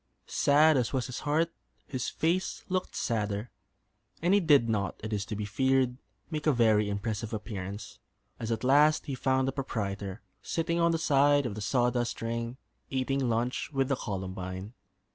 Sad as was his heart, his face looked sadder; and he did not, it is to be feared, make a very impressive appearance, as at last he found the proprietor sitting on the side of the sawdust ring, eating lunch with the Columbine.